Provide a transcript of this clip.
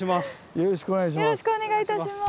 よろしくお願いします。